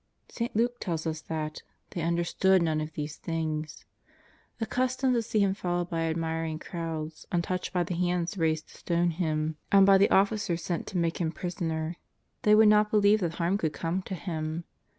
St. Luke tells us that "they understood none of these things." Accustomed to see Him followed by ad miring crowds, untouched by the hands raised to stone Him, and by the officers sent to make Him prisoner, they would not believe that harm could come to Him.